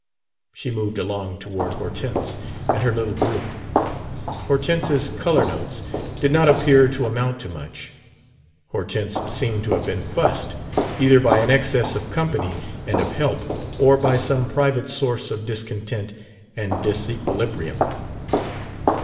She moved along toward Hortense and her little group. Hortense's "color notes" did not appear to amount to much. Hortense seemed to have been "fussed" either by an excess of company and of help, or by some private source of discontent and disequilibrium.